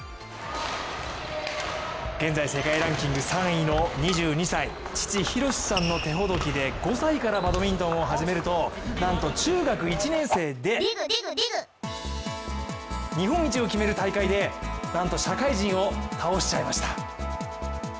現在、世界ランキング３位の２２歳、父・浩さんの手ほどきで５歳からバドミントンを始めるとなんと中学１年生で、日本一を決める大会でなんと社会人を倒しちゃいました。